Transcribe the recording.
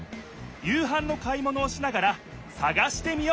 夕はんの買い物をしながらさがしてみよう！